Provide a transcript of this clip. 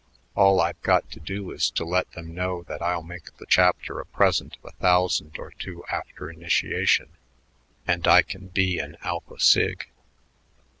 All I've got to do is to let them know that I'll make the chapter a present of a thousand or two after initiation and I can be an Alpha Sig."